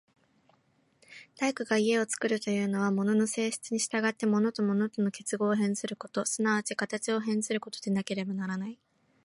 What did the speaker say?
大工が家を造るというのは、物の性質に従って物と物との結合を変ずること、即ち形を変ずることでなければならない。